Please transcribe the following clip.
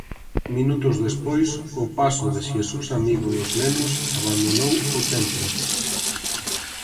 Minutos despois, o paso de Xesús Amigo dos Nenos abandonou o templo.